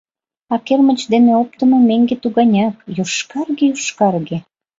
А кермыч дене оптымо меҥге туганяк: йошкарге-йошкарге.